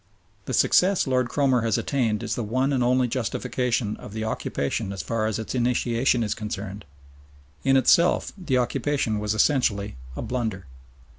The success Lord Cromer has attained is the one and only justification of the occupation as far as its initiation is concerned. In itself the occupation was essentially a blunder.